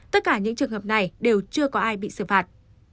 tất cả những trường hợp này đều chưa có ai bị xử phạt